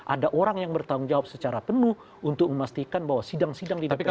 ada orang yang bertanggung jawab secara penuh untuk memastikan bahwa sidang sidang di dpr